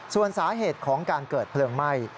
ส่วนสาเหตุของการเกิดเพลิงไหม้